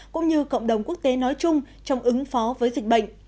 cũng như cộng đồng quốc tế nói chung trong ứng phó với dịch bệnh